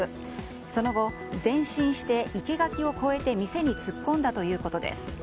その後、前進して生け垣を越えて店に突っ込んだということです。